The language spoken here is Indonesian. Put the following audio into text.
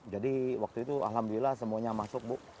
jadi waktu itu alhamdulillah semuanya masuk bu